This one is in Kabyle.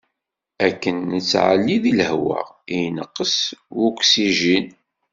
Akken nettɛelli deg lehwa i ineqqes wuksijin.